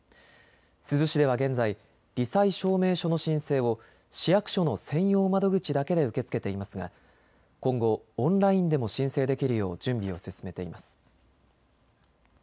珠洲市では現在、り災証明書の申請を市役所の専用窓口だけで受け付けていますが今後、オンラインでも申請できるよう準備を進めています。